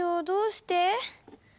どうして？